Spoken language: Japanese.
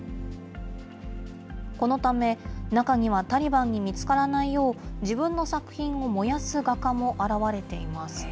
このため、中にはタリバンに見つからないよう、自分の作品を燃やす画家も現れています。